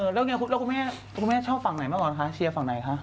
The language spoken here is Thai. แล้วคุณแม่คุณแม่ชอบฝั่งไหนมาก่อนคะเชียร์ฝั่งไหนคะ